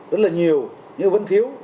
rất là nhiều nhưng vẫn thiếu